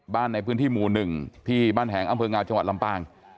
บ้านในพื้นที่หมู่๑ที่บ้านแหงอำเภองาวจังหวัดลำปาง